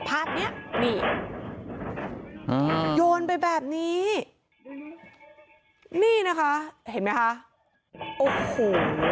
ภาพเนี้ยนี่อ่าโยนไปแบบนี้นี่นะคะเห็นไหมคะโอ้โห